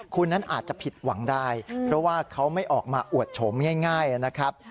คุณนั้นอาจจะผิดหวังได้เพราะว่าเขาไม่ออกมาอวดโฉมง่ายนะครับ